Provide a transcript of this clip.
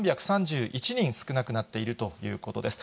３３１人少なくなっているということです。